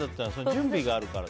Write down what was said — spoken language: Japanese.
準備があるから？